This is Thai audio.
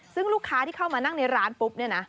ซึ่งลูกค้าที่เข้ามานั่งในร้านปุ๊บเนี่ยนะ